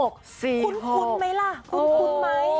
คุ้นไหมล่ะคุ้นไหม